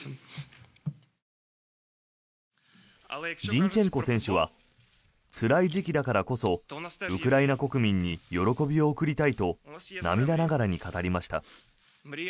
ジンチェンコ選手はつらい時期だからこそウクライナ国民に喜びを贈りたいと涙ながらに語りました。